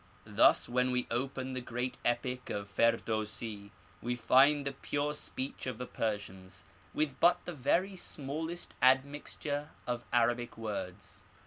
Thus when we open the great epic of Firdousi we find the pure speech of the Persians, with but the very smallest admixture of Arabic words.